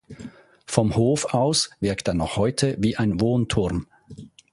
Vom Hof aus wirkt er noch heute wie ein Wohnturm.